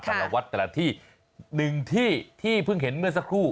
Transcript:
แต่ละวัดแต่ละที่หนึ่งที่ที่เพิ่งเห็นเมื่อสักครู่